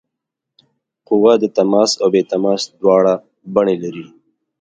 قوه د تماس او بې تماس دواړه بڼې لري.